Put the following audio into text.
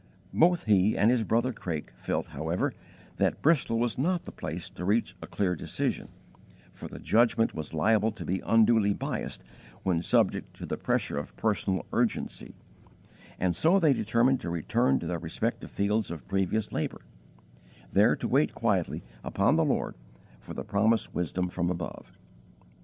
Both he and his brother Craik felt, however, that Bristol was not the place to reach a clear decision, for the judgment was liable to be unduly biassed when subject to the pressure of personal urgency, and so they determined to return to their respective fields of previous labour, there to wait quietly upon the Lord for the promised wisdom from above.